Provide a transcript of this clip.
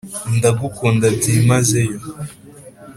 ndagukunda byi maze yo ,